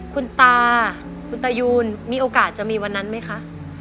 คุณตาคุณตายูนมีโอกาสจะมีวันนั้นไหมคะ